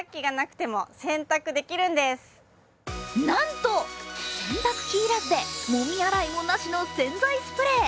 なんと洗濯機要らずでもみ洗いもなしの洗剤スプレー。